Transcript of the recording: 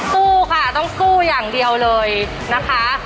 สู้ค่ะต้องสู้อย่างเดียวเลยนะคะ